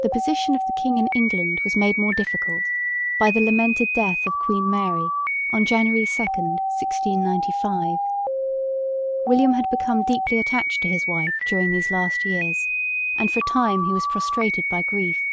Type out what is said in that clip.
The position of the king in England was made more difficult by the lamented death of Queen Mary on January 2,1695. William had become deeply attached to his wife during these last years, and for a time he was prostrated by grief.